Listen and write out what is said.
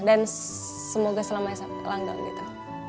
dan semoga selamanya langgang gitu